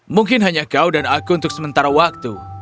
mungkin hanya kau dan aku untuk sementara waktu